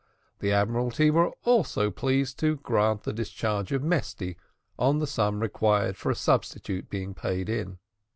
The Admiralty were also pleased to grant the discharge of Mesty, on the sum required for a substitute being paid in.